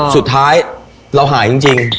สุดท้ายเราหายจริง